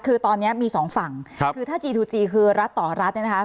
คือตอนนี้มีสองฝั่งคือถ้าจีทูจีคือรัฐต่อรัฐเนี่ยนะคะ